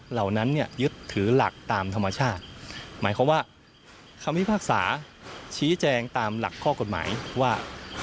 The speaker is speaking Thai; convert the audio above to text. เหล่านั้นเนี่ยยึดถือหลักตามธรรมชาติหมายความว่าคำพิพากษาชี้แจงตามหลักข้อกฎหมายว่า